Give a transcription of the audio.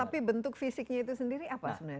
tapi bentuk fisiknya itu sendiri apa sebenarnya